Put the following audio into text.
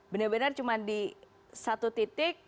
benar benar cuma di satu titik